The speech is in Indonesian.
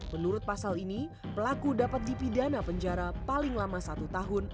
menurut pasal ini pelaku dapat dipidana penjara paling lama satu tahun